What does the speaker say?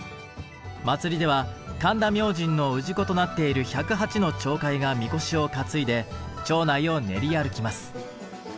祭では神田明神の氏子となっている１０８の町会がみこしを担いで町内を練り歩きます。